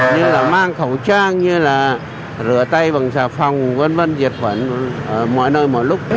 như là mang khẩu trang như là rửa tay bằng xà phòng v v diệt khuẩn ở mọi nơi mọi lúc